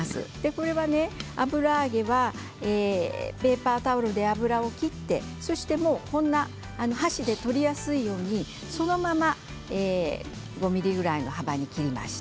これは、油揚げはペーパータオルで油を切ってそして箸で取りやすいようにそのまま５ｍｍぐらいの幅に切りました。